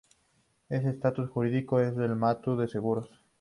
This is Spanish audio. Su estatus jurídico es el de mutua de seguros.